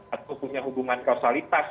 atau punya hubungan kausalitas